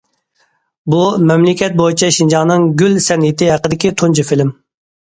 بۇ، مەملىكەت بويىچە شىنجاڭنىڭ‹‹ گۈل›› سەنئىتى ھەققىدىكى تۇنجى فىلىم.